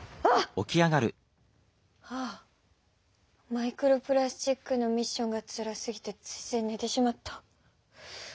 マイクロプラスチックのミッションがつらすぎてついついねてしまった！